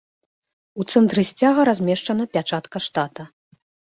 У цэнтры сцяга размешчана пячатка штата.